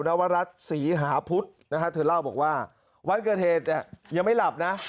นวรัฐศรีหาพุทธนะฮะเธอเล่าบอกว่าวันเกิดเหตุเนี่ยยังไม่หลับนะ